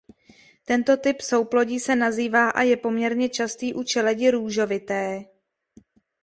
Tento typ souplodí se nazývá a je poměrně častý u čeledi růžovité.